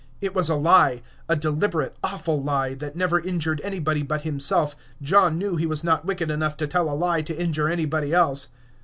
It was a lie; a deliberate, awful lie, that never injured anybody but himself John knew he was not wicked enough to tell a lie to injure anybody else.